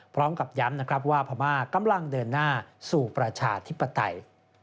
พร้อมกับย้ำนะครับว่าพม่ากำลังเดินหน้าสู่ประชาธิปไตย